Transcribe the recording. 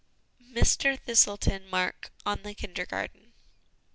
Mr Thistleton Mark on the Kindergarten.